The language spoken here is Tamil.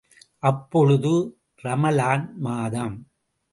அப்பொழுது ரமலான் மாதம்.